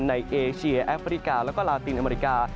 เอเชียแอฟริกาแล้วก็ลาตินอเมริกา